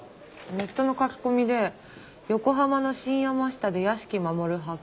ネットの書き込みで「横浜の新山下で屋敷マモル発見。